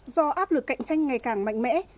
do áp lực cạnh tranh ngày càng mạnh mẽ